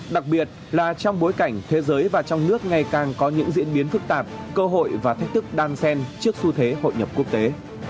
đặc biệt là trong bối cảnh thế giới và trong nước ngày càng có những diễn biến phức tạp cơ hội và thách thức đan sen trước xu thế hội nhập quốc tế